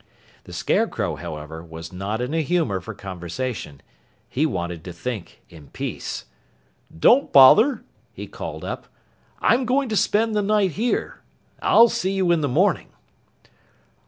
The Scarecrow, however, was not in a humor for conversation. He wanted to think in peace. "Don't bother!" he called up. "I'm going to spend the night here. I'll see you in the morning."